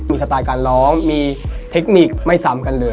มีสไตล์การร้องมีเทคนิคไม่ซ้ำกันเลย